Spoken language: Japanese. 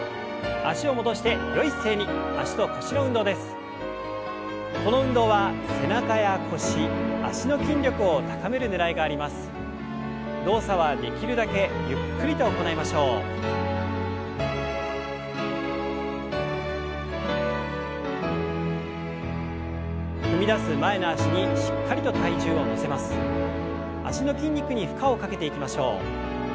脚の筋肉に負荷をかけていきましょう。